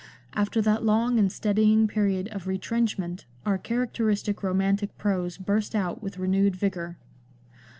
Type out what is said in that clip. After that long and steadying period of retrenchment our characteristic romantic prose burst out with renewed vigour.